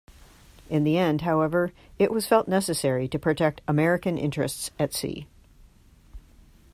In the end, however, it was felt necessary to protect American interests at sea.